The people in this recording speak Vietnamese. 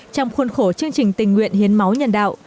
trong khuôn khổ chương trình tình nguyện hiến máu nhân đạo